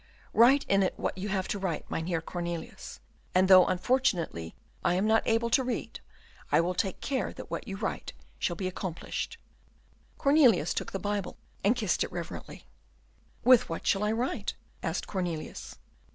Write in it what you have to write, Mynheer Cornelius; and though, unfortunately, I am not able to read, I will take care that what you write shall be accomplished." Cornelius took the Bible, and kissed it reverently. "With what shall I write?" asked Cornelius.